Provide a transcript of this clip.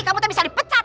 kamu bisa dipecat